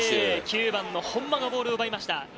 ９番の本間がボールを奪いました。